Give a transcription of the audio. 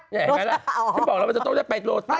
แค่นั้นแหละฉันบอกแล้วว่าจะต้องได้ไปโรตัส